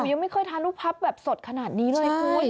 ผมยังไม่เคยทานลูกพรับแบบสดขนาดนี้ด้วย